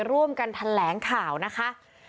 ร่วมกันแถลงข่าวนะคะ